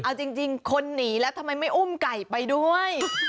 เอาจริงคนหนีแล้วทำไมไม่อุ้มไก่ไปด้วย